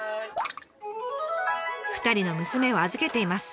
２人の娘を預けています。